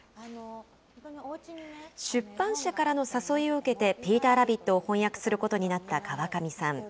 出版社からの誘いを受けて、ピーターラビットを翻訳することになった川上さん。